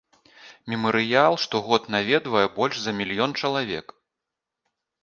Мемарыял штогод наведвае больш за мільён чалавек.